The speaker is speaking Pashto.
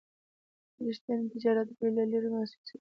د رښتیني تجارت بوی له لرې محسوسېږي.